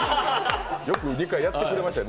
よく２回やってくれましたよ。